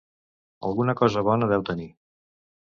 Alguna cosa bona deu tenir.